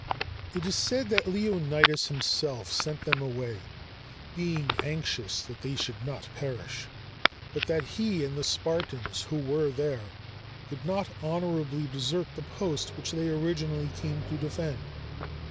It is said that Leonidas himself sent them away, being anxious that they should not perish, but that he and the Spartans who were there could not honorably desert the post which they originally came to defend.